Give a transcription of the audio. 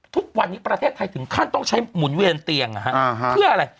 ทุกวันนี้ประเทศไทยถึงขั้นต้องใช้หมุนเวียนเตียงเพื่ออะไร